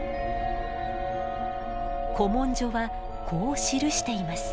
古文書はこう記しています。